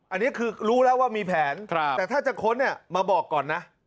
อันนี้คือรู้แล้วว่ามีแผนแต่ถ้าจะค้นเนี่ยมาบอกก่อนนะ